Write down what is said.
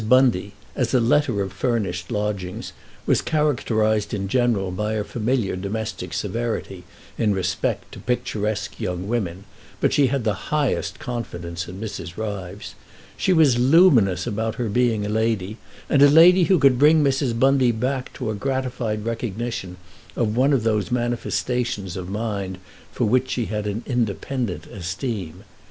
Bundy, as a letter of furnished lodgings, was characterised in general by a familiar domestic severity in respect to picturesque young women, but she had the highest confidence in Mrs. Ryves. She was luminous about her being a lady, and a lady who could bring Mrs. Bundy back to a gratified recognition of one of those manifestations of mind for which she had an independent esteem.